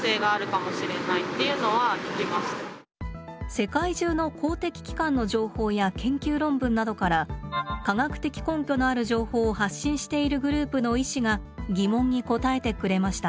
世界中の公的機関の情報や研究論文などから科学的根拠のある情報を発信しているグループの医師が疑問に答えてくれました。